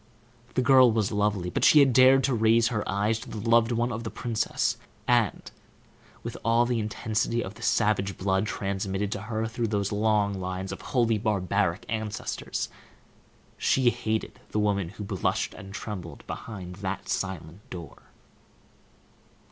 The girl was lovely, but she had dared to raise her eyes to the loved one of the princess; and, with all the intensity of the savage blood transmitted to her through long lines of wholly barbaric ancestors, she hated the woman who blushed and trembled behind that silent door.